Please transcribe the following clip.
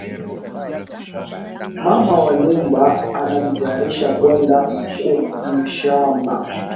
Mama wa nyumba anajitayarisha kwenda ku mashamba